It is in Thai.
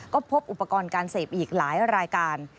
ก็พบอุปกรณ์การเสพอีกหลายรายการ